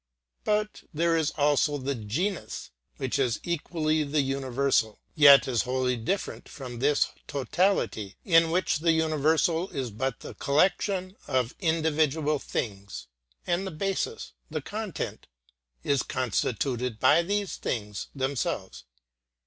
But there is also the genus, which is equally the universal, yet is wholly different from this totality in which the universal is but the collection of individual things, and the basis, the content, is constituted by these things themselves.